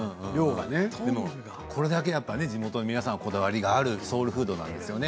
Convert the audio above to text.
これだけ地元の皆さんこだわりがあるソウルフードなんですよね。